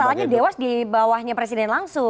masalahnya dewas di bawahnya presiden langsung